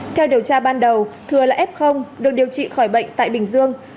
theo điều tra ban đầu thừa là f được điều trị khỏi bệnh tại bình dương